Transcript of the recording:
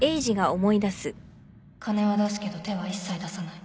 金は出すけど手は一切出さない